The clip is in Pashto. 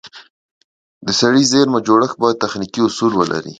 د سړې زېرمه جوړښت باید تخنیکي اصول ولري.